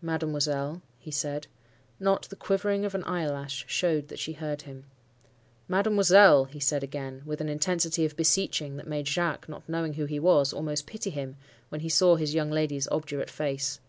"'Mademoiselle,' he said. Not the quivering of an eyelash showed that she heard him. 'Mademoiselle!' he said again, with an intensity of beseeching that made Jacques—not knowing who he was—almost pity him, when he saw his young lady's obdurate face.